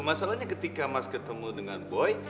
masalahnya ketika mas ketemu dengan boy